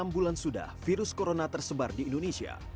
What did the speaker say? enam bulan sudah virus corona tersebar di indonesia